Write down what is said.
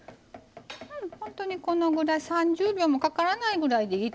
本当にこのぐらい３０秒もかからないぐらいでいいと思いますよ。